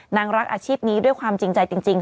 นางรักอาชีพนี้ด้วยความจริงใจจริง